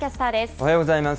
おはようございます。